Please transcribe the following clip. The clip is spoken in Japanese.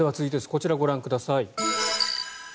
こちらをご覧ください。